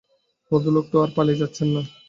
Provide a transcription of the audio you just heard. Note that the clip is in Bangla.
ভদ্রলোক তো আর পালিয়ে যাচ্ছেন না।